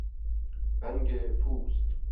رنگ پوست